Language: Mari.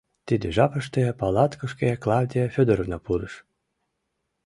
Тиде жапыште палаткышке Клавдия Фёдоровна пурыш.